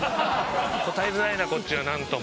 答えづらいなこっちは何とも。